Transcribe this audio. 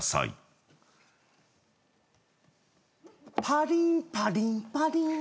パリーパリーパリーン！